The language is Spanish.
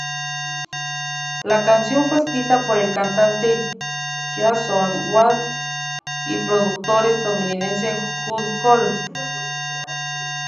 La canción fue escrita por el cantante Jason Wade y productor estadounidense Jude Cole.